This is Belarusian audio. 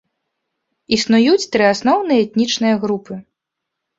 Існуюць тры асноўныя этнічныя групы.